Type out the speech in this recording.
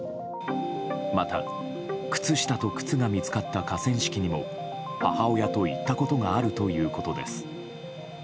また、靴下と靴が見つかった河川敷にも母親と行ったことがあるということです。